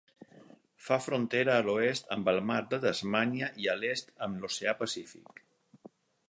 Fa frontera a l'oest amb el mar de Tasmània i a l'est amb l'oceà Pacífic.